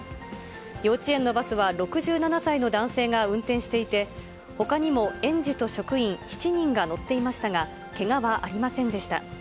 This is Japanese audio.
幼稚園のバスは６７歳の男性が運転していて、ほかにも園児と職員７人が乗っていましたが、けがはありませんでした。